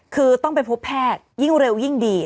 คือต้องไปพบแพทย์ยิ่งเร็วยิ่งดี